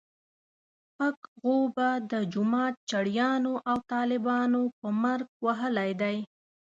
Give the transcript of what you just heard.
پک غوبه د جومات چړیانو او طالبانو په مرګ وهلی دی.